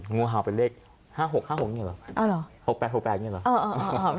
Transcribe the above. งูเห่าเป็นเลข๕๖๕๖นี่เหรอ๖๘๖๘นี่เหรอ